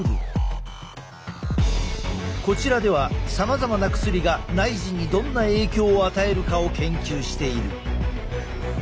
こちらではさまざまな薬が内耳にどんな影響を与えるかを研究している。